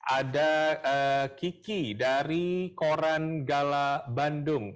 ada kiki dari korangala bandara